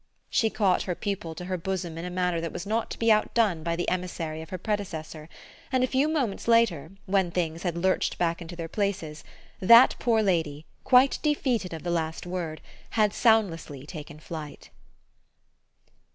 She caught her pupil to her bosom in a manner that was not to be outdone by the emissary of her predecessor, and a few moments later, when things had lurched back into their places, that poor lady, quite defeated of the last word, had soundlessly taken flight.